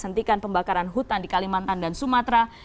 hentikan pembakaran hutan di kalimantan dan sumatera